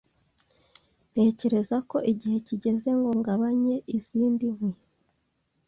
Ntekereza ko igihe kigeze ngo ngabanye izindi nkwi.